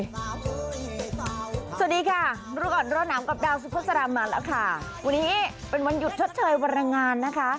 สวัสดีค่ะรอหนามกับดาวสุพสรรค์มาแล้วค่ะวันนี้เป็นวันหยุดชดเชยวันละงานนะคะ